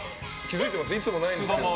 いつもないんですけど。